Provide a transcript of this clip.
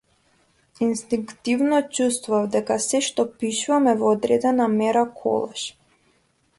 Инстинктивно чувствував дека сѐ што пишувам е во одредена мера колаж.